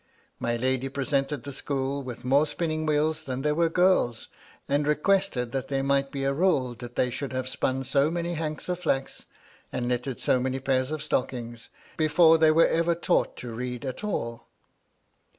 My lady presented the school with more spinning wheels than there were girls, and re quested that there might be a rule that they should have spun so many hanks of flax, and knitted so many pairs of stockings, before they ever were taught to read at all.